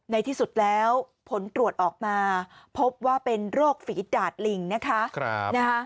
ในที่สุดแล้วผลตรวจออกมาพบว่าเป็นโรคฝีดาดลิงนะคะ